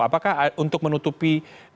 apakah untuk menutupi